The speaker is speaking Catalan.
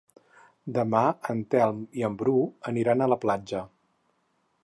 Demà en Telm i en Bru aniran a la platja.